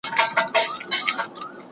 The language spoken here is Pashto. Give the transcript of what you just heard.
ته ولې زما په خبرو باندې بې ځایه نیوکې کوې؟